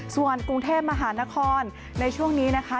ส่วนกรุงเทพมหานครในช่วงนี้นะคะ